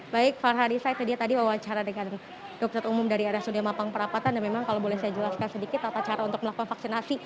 baik farhari said tadi wawancara dengan dokter umum dari rsud mampang perapatan dan memang kalau boleh saya jelaskan sedikit apa cara untuk melakukan vaksinasi